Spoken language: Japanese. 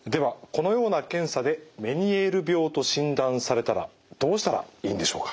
このような検査でメニエール病と診断されたらどうしたらいいんでしょうか？